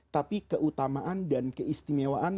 tapi keutamaan dan keistimewaan